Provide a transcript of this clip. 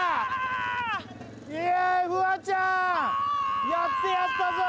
イエーイフワちゃんやってやったぞ！